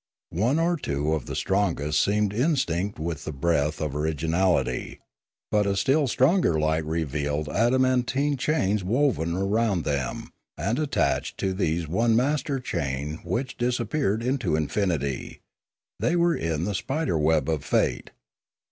One or two of the strongest seemed instinct with the breath of originality, but a still stronger light revealed ada mantine chains woven around them, and attached to these one master chain which disappeared into infinity; they were in the spider web of fate.